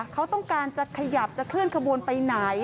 เขาต้องการจะขยับจะเคลื่อนขบวนไปไหน